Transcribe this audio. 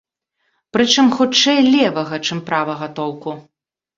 Прычым, хутчэй, левага, чым правага толку.